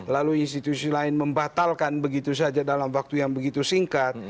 lalu institusi lain membatalkan begitu saja dalam waktu yang begitu singkat